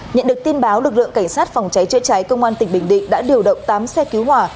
nhận được tin báo lực lượng cảnh sát phòng cháy chữa cháy công an tỉnh bình định đã điều động tám xe cứu hỏa